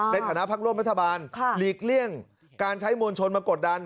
ในฐานะพักร่วมรัฐบาลหลีกเลี่ยงการใช้มวลชนมากดดัน